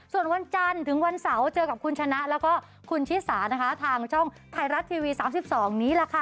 ส่วนวันจันทร์ถึงวันเสาร์เจอกับคุณชนะแล้วก็คุณชิสานะคะทางช่องไทยรัฐทีวี๓๒นี้แหละค่ะ